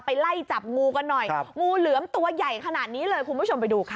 ไล่จับงูกันหน่อยงูเหลือมตัวใหญ่ขนาดนี้เลยคุณผู้ชมไปดูค่ะ